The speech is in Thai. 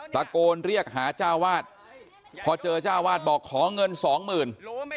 ตะโกนเรียกหาเจ้าวาดพอเจอเจ้าวาดบอกขอเงินสองหมื่น